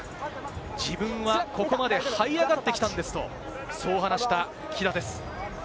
自分はここまで這い上がってきたんですと、そう話した木田です。